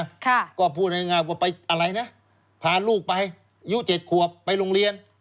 ก็พูดง่ายว่าไปอะไรนะพาลูกไปยูติดขวบไปโรงเรียน